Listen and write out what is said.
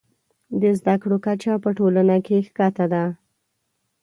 د زده کړو کچه په ټولنه کې ښکته ده.